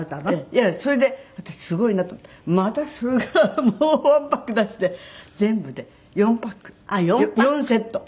いやそれで私すごいなと思ったらまたそれからもう１パック出して全部で４パック４セット。